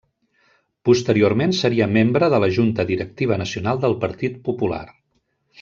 Posteriorment seria membre de la Junta Directiva Nacional del Partit Popular.